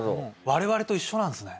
我々と一緒なんですね。